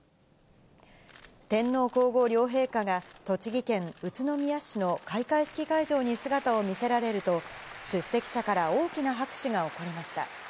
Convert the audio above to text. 天皇皇后両陛下が栃木県宇都宮市の開会式会場に姿を見せられると、出席者から大きな拍手が起こりました。